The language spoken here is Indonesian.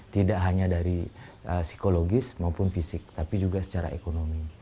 tidak hanya dari psikologis maupun fisik tapi juga secara ekonomi